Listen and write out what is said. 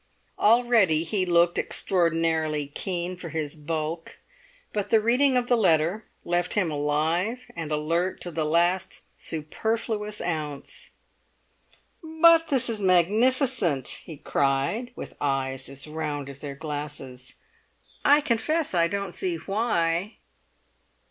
Already he looked extraordinarily keen for his bulk, but the reading of the letter left him alive and alert to the last superfluous ounce. "But this is magnificent!" he cried, with eyes as round as their glasses. "I confess I don't see why."